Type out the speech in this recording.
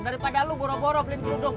daripada lo boro boro beliin kerudung